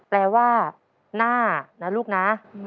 แปลว่าหน้านะลูกนะ